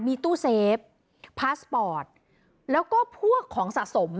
มีตู้เซฟพาสปอร์ตแล้วก็พวกของสะสม